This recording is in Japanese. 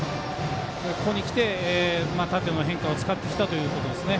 ここにきて縦の変化を使ってきたということです。